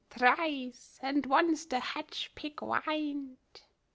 Thrice, and once the hedge pig whin'd.